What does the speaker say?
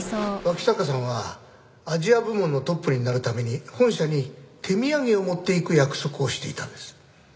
脇坂さんはアジア部門のトップになるために本社に手土産を持っていく約束をしていたんです。